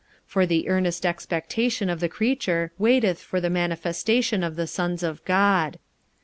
45:008:019 For the earnest expectation of the creature waiteth for the manifestation of the sons of God.